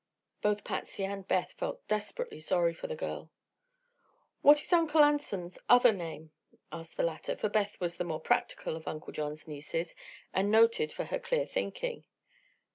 Both Patsy and Beth felt desperately sorry for the girl. "What is Uncle Anson's other name?" asked the latter, for Beth was the more practical of Uncle John's nieces and noted for her clear thinking.